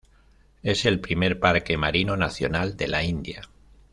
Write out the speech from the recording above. Es el primer parque marino nacional de la India.